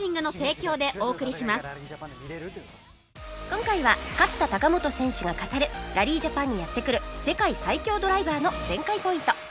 今回は勝田貴元選手が語るラリージャパンにやって来る世界最強ドライバーの全開ポイント